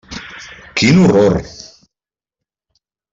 Quin horror!